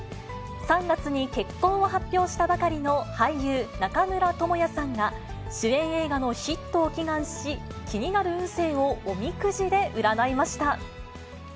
３月に結婚を発表したばかりの俳優、中村倫也さんが、主演映画のヒットを祈願し、気になる運勢をおみくじで占いました。